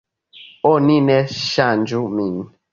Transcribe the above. "Oni ne ŝanĝu min."